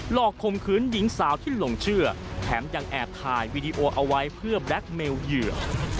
อกคมคืนหญิงสาวที่หลงเชื่อแถมยังแอบถ่ายวีดีโอเอาไว้เพื่อแบล็คเมลเหยื่อ